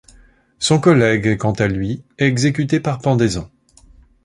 Son collègue est quant à lui exécuté par pendaison.